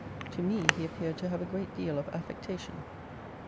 To me he appeared to have a great deal of affectation.